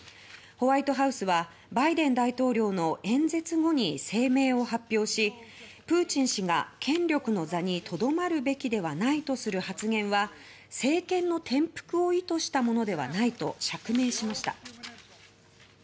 ホワイトハウスはバイデン大統領の演説後に声明を発表しプーチン氏が権力の座にとどまるべきではないとする発言は政権の転覆を意図したものではないと釈明しました。